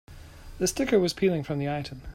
The sticker was peeling from the item.